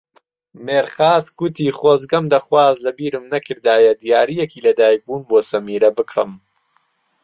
مێرخاس گوتی خۆزگەم دەخواست لەبیرم نەکردایە دیارییەکی لەدایکبوون بۆ سەمیرە بکڕم.